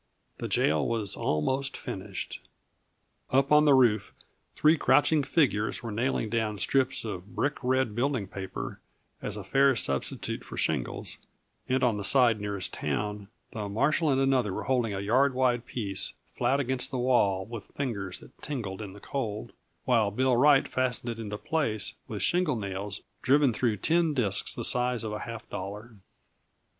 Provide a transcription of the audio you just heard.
The jail was almost finished. Up on the roof three crouching figures were nailing down strips of brick red building paper as a fair substitute for shingles, and on the side nearest town the marshal and another were holding a yard wide piece flat against the wall with fingers that tingled in the cold, while Bill Wright fastened it into place with shingle nails driven through tin disks the size of a half dollar.